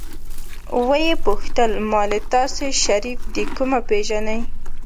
ويې پوښتل مالې تاسې شريف د کومه پېژنئ.